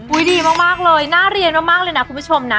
ดีมากเลยน่าเรียนมากเลยนะคุณผู้ชมนะ